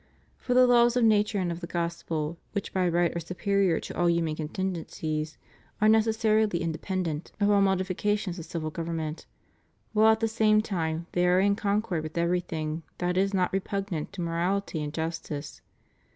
For the laws of nature and of the Gospel, which by right are superior to all human contingencies, are necessarily independent CHRISTIAN DEMOCRACY. 483 of all modifications of civil government, while at the same time they are in concord with everything that is not re pugnant to morahty and justice.